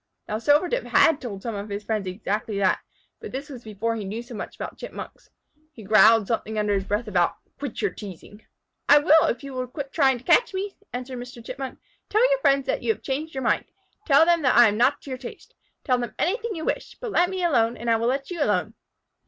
Now Silvertip had told some of his friends exactly that, but this was before he knew so much about Chipmunks. He growled something under his breath about "Quit your teasing." "I will if you will quit trying to catch me," answered Mr. Chipmunk. "Tell your friends that you changed your mind. Tell them that I am not to your taste. Tell them anything you wish, but let me alone and I will let you alone."